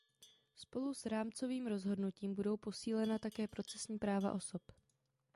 Spolu s rámcovým rozhodnutím budou posílena také procesní práva osob.